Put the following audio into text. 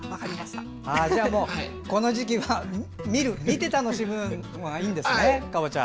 じゃあこの時期は見て楽しむのがいいんですね。